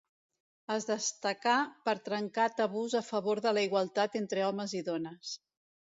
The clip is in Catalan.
Es destacà per trencar tabús a favor de la igualtat entre homes i dones.